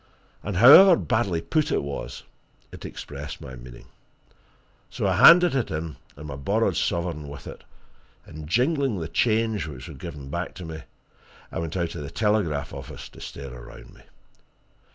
And, however badly put it was, it expressed my meaning. So I handed it in, and my borrowed sovereign with it, and jingling the change which was given back to me, I went out of the telegraph office to stare around me.